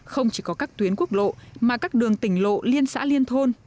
không chỉ có các tuyến quốc lộ mà các đường tỉnh lộ liên xã liên thôn